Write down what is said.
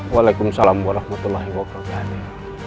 waalaikumsalam warahmatullahi wabarakatuh